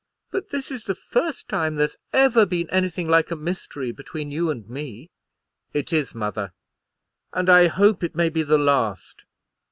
"But this is the first time there's ever been anything like a mystery between you and me." "It is, mother; and I hope it may be the last."